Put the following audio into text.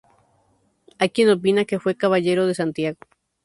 Hay quien opina que fue caballero de Santiago.